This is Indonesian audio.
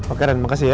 oke ren makasih ya